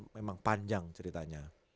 memang panjang ceritanya